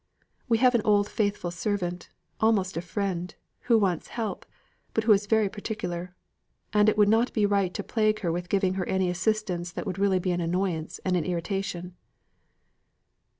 We have an old faithful servant, almost a friend, who wants help, but who is very particular; and it would not be right to plague her with giving her any assistance that would really be an annoyance and an irritation."